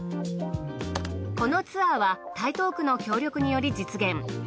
このツアーは台東区の協力により実現。